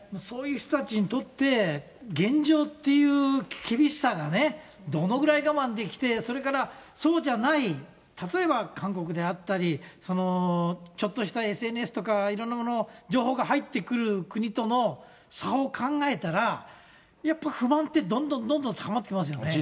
そういう人たちにとって、現状っていう厳しさがね、どのくらい我慢できて、それからそうじゃない、例えば韓国であったり、ちょっとしたＳＮＳとか、いろんなもの、情報が入ってくる国との差を考えたら、やっぱ、不満ってどんどんどんどん高まってきますよね。